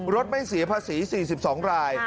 รถไม่เสียภาษี๔๒ราย